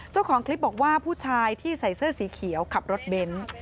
เจ้าของคลิปบอกว่าผู้ชายที่ใส่เสื้อสีเขียวขับรถเบนท์